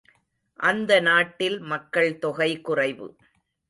அந்த நாட்டில் மக்கள் தொகை குறைவு.